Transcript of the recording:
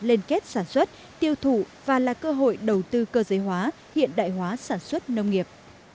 liên kết sản xuất tiêu thụ và là cơ hội đầu tư cơ giới hóa hiện đại hóa sản xuất nông nghiệp